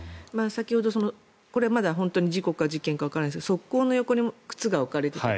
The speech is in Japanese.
先ほど、これはまだ事件か事故かわからないんですが側溝の横に靴が置かれていた。